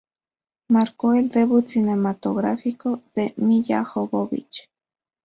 Marcó el debut cinematográfico de Milla Jovovich.